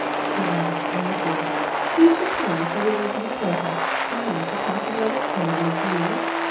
she asked earnestly. "Do you suppose that it is more pleasant to me to talk about it than it is for you?